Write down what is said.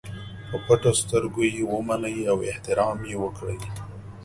په پټو سترګو یې ومني او احترام یې وکړي.